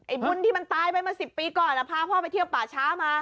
บุญที่มันตายไปมา๑๐ปีก่อนพาพ่อไปเที่ยวป่าช้ามา